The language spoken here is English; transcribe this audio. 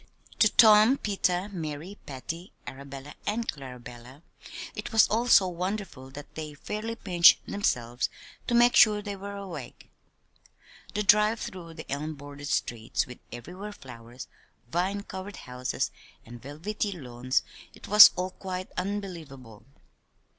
To Tom, Peter, Mary, Patty, Arabella, and Clarabella, it was all so wonderful that they fairly pinched themselves to make sure they were awake. The drive through the elm bordered streets with everywhere flowers, vine covered houses, and velvety lawns it was all quite unbelievable.